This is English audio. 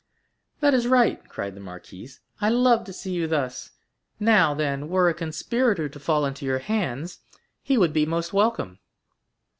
"That is right," cried the marquise. "I love to see you thus. Now, then, were a conspirator to fall into your hands, he would be most welcome."